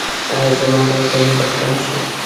ایا زما غوږونه به کڼ شي؟